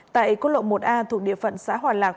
tại cốt lộ một a thuộc địa phận xã hòa lạc